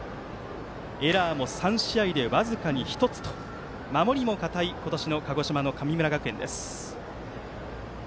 エラーも３試合で僅かに１つと守りも堅い今年の鹿児島の神村学園です。